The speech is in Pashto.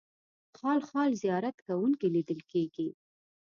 خال خال زیارت کوونکي لیدل کېدل.